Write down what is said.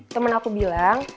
temen aku bilang